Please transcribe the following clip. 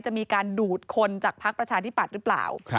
จะมีการดูดคนจากพักประชาธิปัตย์หรือเปล่า